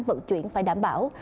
vận chuyển phải đảm bảo